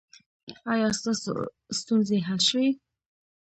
ایا ستاسو ستونزې حل شوې؟